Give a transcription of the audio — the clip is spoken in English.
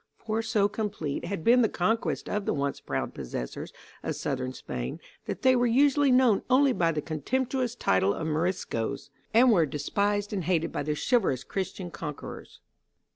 For so complete had been the conquest of the once proud possessors of Southern Spain, that they were usually known only by the contemptuous title of "Moriscoes," and were despised and hated by their "chivalrous" Christian conquerors.